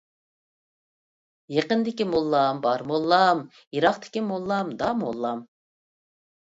يېقىندىكى موللام بار موللام، يىراقتىكى موللام داموللام.